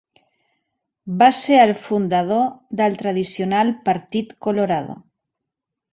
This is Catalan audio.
Va ser el fundador del tradicional Partit Colorado.